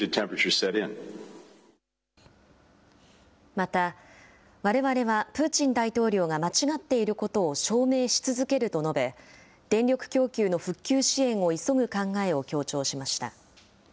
また、われわれはプーチン大統領が間違っていることを証明し続けると述べ、電力供給の復旧支援を急ぐ考えを強調しました。